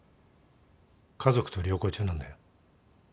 家族と旅行中なんだよ。